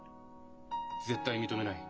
絶対認めない。